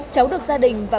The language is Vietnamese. cháu được gia đình và